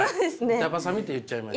板挟みって言っちゃいました。